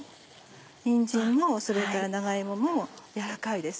にんじんもそれから長芋も軟らかいです。